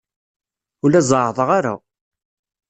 Ur la zeɛɛḍeɣ ara.